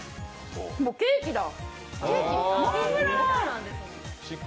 もうケーキだ！